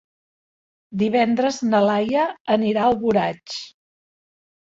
Divendres na Laia anirà a Alboraig.